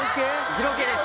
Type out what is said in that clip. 二郎系です